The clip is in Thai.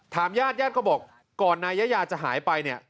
ถามญาติญาติก็บอกก่อนนายาจะหายไป